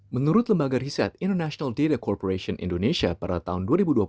menurut lembaga riset international day corporation indonesia pada tahun dua ribu dua puluh